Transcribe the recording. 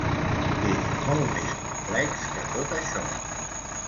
És molt més complex que tot això.